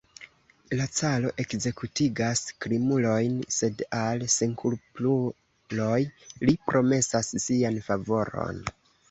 La caro ekzekutigas krimulojn, sed al senkulpuloj li promesas sian favoron.